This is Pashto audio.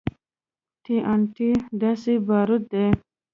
ټي ان ټي داسې باروت دي.